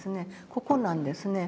ここなんですね。